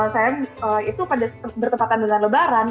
saya itu pada bertempatan dengan lebaran